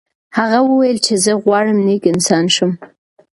هغه وویل چې زه غواړم نیک انسان شم.